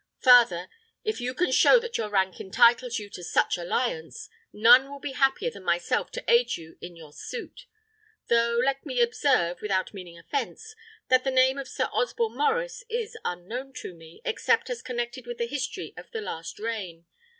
Farther, if you can show that your rank entitles you to such alliance, none will be happier than myself to aid you in your suit. Though, let me observe, without meaning offence, that the name of Sir Osborne Maurice is unknown to me, except as connected with the history of the last reign.